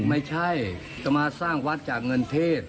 ไม่ใช่จะมาสร้างวัดจากเงินเทศ